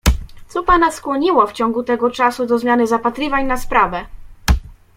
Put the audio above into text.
"Co pana skłoniło w ciągu tego czasu do zmiany zapatrywań na sprawę?"